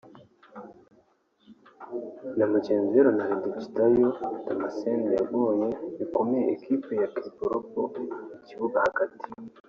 na mugenzi we Ronald Chitiyo Dynamos yagoye bikomeye ikipe ya Chipolopolo mu kibuga hagati